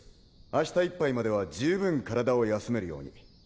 明日いっぱいまでは十分体を休めるように。